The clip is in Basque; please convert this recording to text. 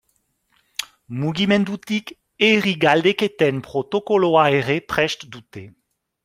Mugimendutik herri galdeketen protokoloa ere prest dute.